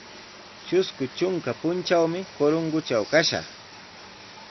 Trusku trunka puntrawmi Corongotraw kashaq.